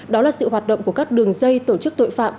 đó là sự hoạt động của các đường dây tổ chức tội phạm